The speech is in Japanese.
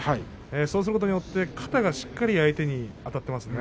そうすることによって肩がしっかりと相手にあたっています。